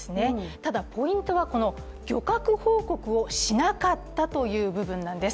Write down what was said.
ただ、ポイントは漁獲報告をしなかったという部分なんです。